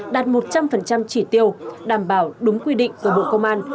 đạt một trăm linh chỉ tiêu đảm bảo đúng quy định của bộ công an